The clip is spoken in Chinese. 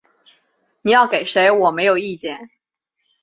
你要给谁我没有意见